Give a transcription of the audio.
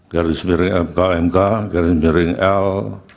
garis miring mk mk garis miring l